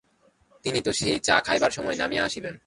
তিনি তো সেই চা খাইবার সময় নামিয়া আসিবেন।